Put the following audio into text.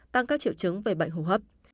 tăng các triệu chứng về bệnh hô hấp